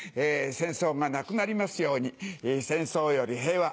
戦争がなくなりますように戦争より平和。